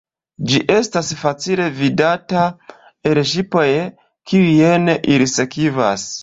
Ĝi estas facile vidata el ŝipoj, kiujn ili sekvas.